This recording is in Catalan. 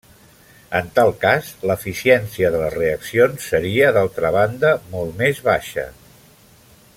En tal cas, l'eficiència de les reaccions seria d'altra banda molt més baixa.